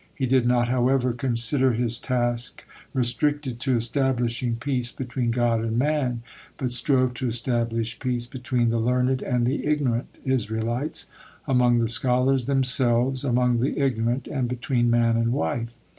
He did not, however, consider his task restricted 'to establishing peace between God and man,' but strove to establish peace between the learned and the ignorant Israelites, among the scholars themselves, among the ignorant, and between man and wife.